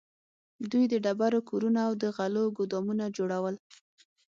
دوی د ډبرو کورونه او د غلو ګودامونه جوړول.